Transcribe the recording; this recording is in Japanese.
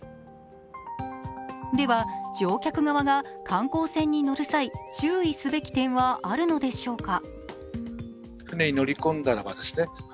では、乗客側が観光船に乗る際、注意すべき点はあるのでしょうか？